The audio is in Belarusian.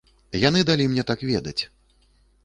Яны далі мне так ведаць.